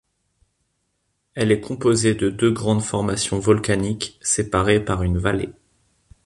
Elle est composée de deux grandes formations volcaniques séparées par une vallée.